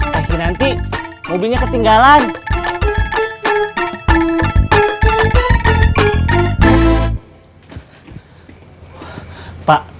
keapprovalnya mau ngenjurin gini ya ya kan youtuber